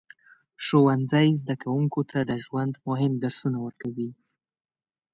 ښوونځی زده کوونکو ته د ژوند مهم درسونه ورکوي.